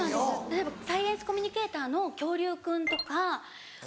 例えばサイエンスコミュニケーターの恐竜くんとか。